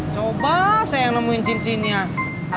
coba saya yang nemuin cincinnya